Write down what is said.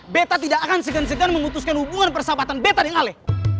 beta tidak akan segan segan memutuskan hubungan persahabatan beta dengan ale